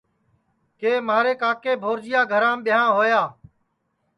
کہ مہارے کاکے بھورجیا گھرام بیاں ہویا